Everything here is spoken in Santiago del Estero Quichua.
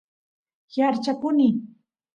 yaarchakuny